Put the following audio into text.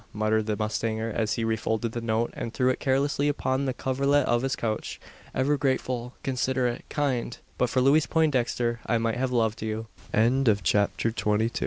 muttered the mustanger, as he refolded the note, and threw it carelessly upon the coverlet of his couch. "Ever grateful considerate kind! But for Louise Poindexter, I might have loved you!" CHAPTER TWENTY THREE.